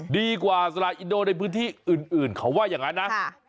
ดีกว่าสลาอินโดในพื้นที่อื่นเขาว่าอย่างนั้นนะ